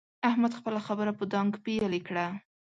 احمد خپله خبره په ډانګ پېيلې کړه.